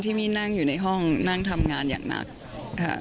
ที่มีนั่งอยู่ในห้องนั่งทำงานอย่างหนักค่ะ